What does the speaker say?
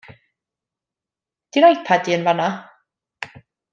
'Di'n iPad i yn fan 'na?